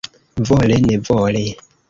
Vole-nevole.